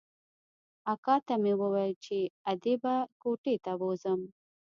اکا ته مې وويل چې ادې به کوټې ته بوځم.